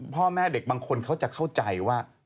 พ่อแม่เด็กบางคนเขาจะเข้าใจว่า